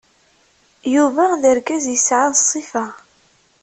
Yuba d argaz yesɛan ṣṣifa.